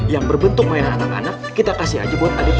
yang berbentuk main anak anak kita kasih aja buat aditya